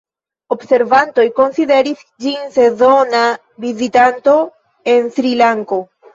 Observantoj konsideris ĝin sezona vizitanto en Srilanko.